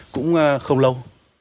cũng không lâu